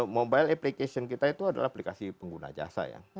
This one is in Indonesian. mobile application kita itu adalah aplikasi pengguna jasa ya